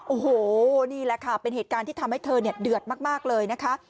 โอ้โหนี่แหละค่ะเป็นเหตุการณ์ที่ทำให้เธอเดือดมากเลยนะคะ